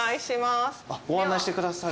ご案内してくださる。